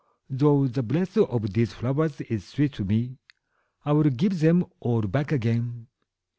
Though the breath of these flowers is sweet to me, I will give them all back again.''